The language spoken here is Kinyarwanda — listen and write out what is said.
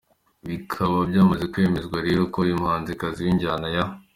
Bikaba byamaze kwemezwa rero ko uyu muhanzikazi winjyana ya.